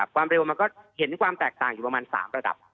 ความเร็วมันก็เห็นความแตกต่างอยู่ประมาณ๓ระดับ